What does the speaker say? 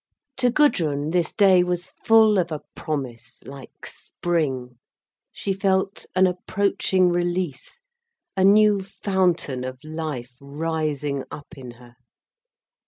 To Gudrun this day was full of a promise like spring. She felt an approaching release, a new fountain of life rising up in her.